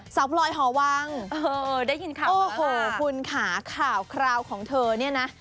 สาวพลอยหอวังโอ้โหคุณค่ะข่าวของเธอเนี่ยนะ